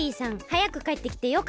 はやくかえってきてよかったね。